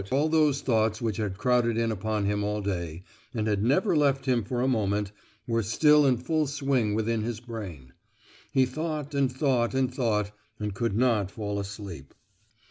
But all those thoughts which had crowded in upon him all day, and had never left him for a moment, were still in full swing within his brain; he thought, and thought, and thought, and could not fall asleep.